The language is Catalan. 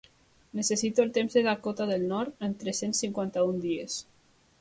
Necessito el temps de Dakota del Nord en tres-cents cinquanta-un dies